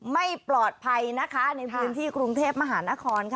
ไม่ปลอดภัยนะคะในพื้นที่กรุงเทพมหานครค่ะ